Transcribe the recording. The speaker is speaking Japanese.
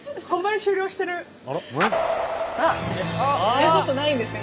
びわソフトないんですか？